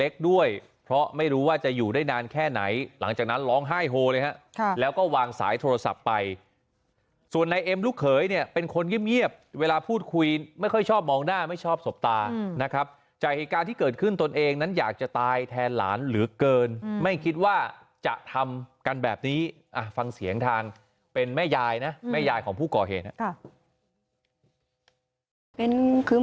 เป็นส่วนในเอ็มลูกเขยเนี่ยเป็นคนเงียบเวลาพูดคุยไม่ค่อยชอบมองหน้าไม่ชอบสบตานะครับจากเหตุการณ์ที่เกิดขึ้นตนเองนั้นอยากจะตายแทนหลานเหลือเกินไม่คิดว่าจะทำกันแบบนี้ฟังเสียงทางเป็นแม่ยายนะแม่ยายของผู้ก่อเหตุ